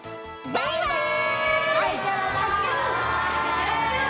バイバイ！